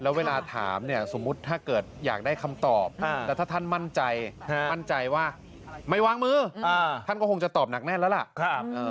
แล้วเวลาถามเนี่ยสมมุติถ้าเกิดอยากได้คำตอบแล้วถ้าท่านมั่นใจมั่นใจว่าไม่วางมือท่านก็คงจะตอบหนักแน่นแล้วล่ะ